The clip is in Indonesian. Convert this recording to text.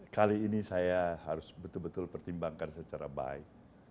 kali ini saya harus betul betul pertimbangkan secara baik